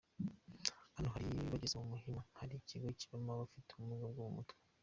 Hano bari bageze ku Muhima ahari ikigo kibamo abafite ubumuga bwo mu mutwe.